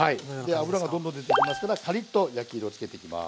で脂がどんどん出てきますからカリッと焼き色をつけていきます。